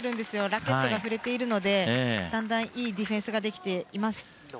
ラケットが振れているのでだんだんいいディフェンスができています。